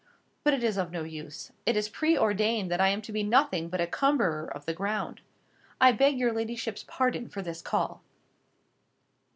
But it is of no use. It is preordained that I am to be nothing but a cumberer of the ground. I beg your ladyship's pardon for this call."